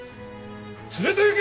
連れていけ！